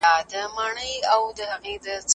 شعور د پرمختګ لپاره اساس سته.